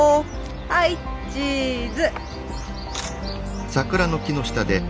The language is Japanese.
はいチーズ！